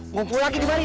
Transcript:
ngumpul lagi di bari ye